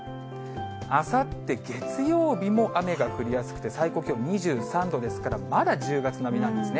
あさって月曜日も雨が降りやすくて最高気温２３度ですから、まだ１０月並みなんですね。